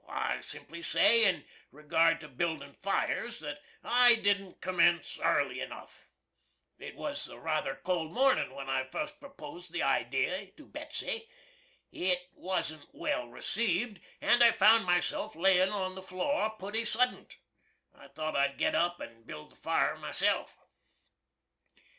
I simply say, in regard to bildin' fires, that, I didn't commence arly enuff. It was a ruther cold mornin' when I fust proposed the idee to Betsy. It wasn't well received, and I found myself layin' on the floor putty suddent. I thought I'd git up and bild the fire myself.